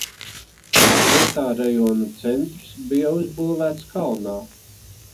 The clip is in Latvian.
Tās vietā rajona centrs bija uzbūvēts kalnā.